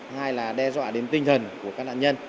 hai là đe dọa đến tinh thần của các nạn nhân